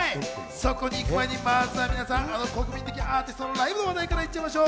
そこ行く前にまずは、あの国民的アーティストのライブの話題からいっちゃいましょう。